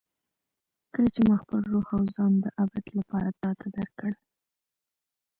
کله چې ما خپل روح او ځان د ابد لپاره تا ته درکړل.